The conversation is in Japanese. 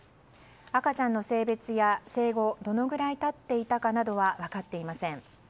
赤ちゃんの性別や、生後どのくらい経っていたかなどは分かっていません。